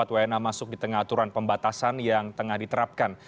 empat wna masuk di tengah aturan pembatasan yang tengah diterapkan